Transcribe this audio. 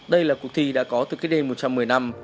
đây là cuộc thi đã có từ cái đêm một trăm một mươi năm